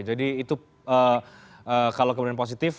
jadi itu kalau kemudian positif